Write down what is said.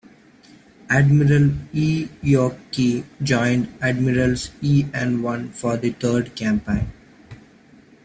Admiral Yi Eok Ki joined Admirals Yi and Won for the third campaign.